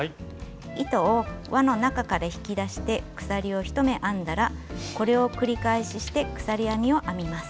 糸を輪の中から引き出して鎖を１目編んだらこれを繰り返しして鎖編みを編みます。